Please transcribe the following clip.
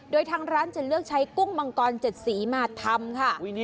โดยทางร้านจะเลือกใช้กุ้งมังกร๗สีมาทำค่ะ